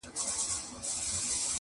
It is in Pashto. په قسمت کي بری زما وو رسېدلی،